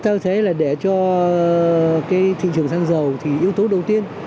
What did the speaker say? theo thế là để cho cái thị trường xăng dầu thì yếu tố đầu tiên